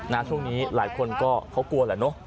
นะช่วงนี้ส์หลายคนก็ว่าและนะ